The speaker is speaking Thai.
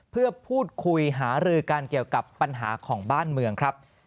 เพื่อพูดคุยหารือกันเกี่ยวกับปัญหาของบ้านเมืองครับ